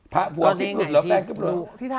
พะหัวพี่ปลุกหรือแฟนพี่ปลุก